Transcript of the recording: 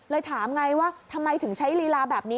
ถามไงว่าทำไมถึงใช้ลีลาแบบนี้